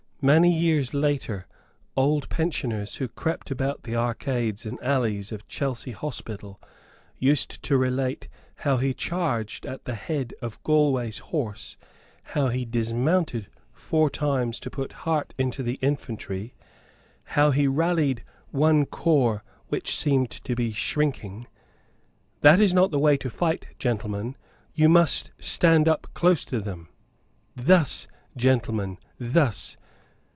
Many years later greyhaired old pensioners who crept about the arcades and alleys of Chelsea Hospital used to relate how he charged at the head of Galway's horse, how he dismounted four times to put heart into the infantry, how he rallied one corps which seemed to be shrinking; "That is not the way to fight, gentlemen. You must stand close up to them. Thus, gentlemen, thus."